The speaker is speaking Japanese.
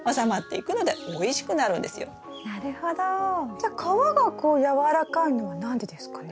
じゃあ皮がこう軟らかいのは何でですかね？